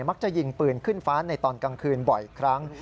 มักจะยิงปืนขึ้นฟ้าในตอนกลางคืนบ่อยครั้ง